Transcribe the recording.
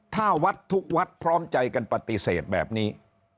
ถ้าวัดทุกวัดพร้อมใจกันปฏิเสธแบบนี้